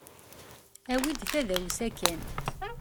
Awi-d tadawsa kan.